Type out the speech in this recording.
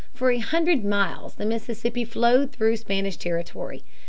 For a hundred miles the Mississippi flowed through Spanish territory.